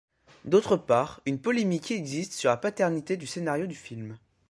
D'autre part, une polémique existe sur la paternité du scénario du film.